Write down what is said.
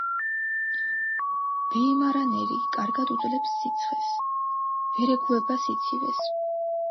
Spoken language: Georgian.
ვეიმარანერი კარგად უძლებს სიცხეს, ვერ ეგუება სიცივეს.